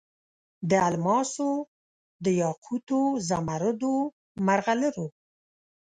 د الماسو، دیاقوتو، زمرودو، مرغلرو